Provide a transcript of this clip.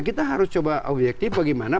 kita harus coba objektif bagaimana